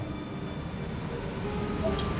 kamu sudah mau menemani saya